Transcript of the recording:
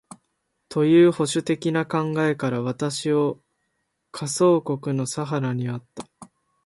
という保守的な考えから、私を下総国（千葉県）の佐原にあった